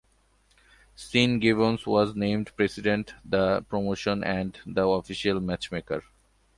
Sean Gibbons was named president the promotion and the official match maker.